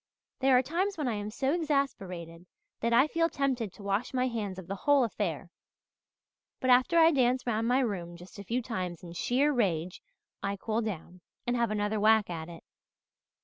There are times when I am so exasperated that I feel tempted to wash my hands of the whole affair; but after I dance round my room a few times in sheer rage I cool down and have another whack at it.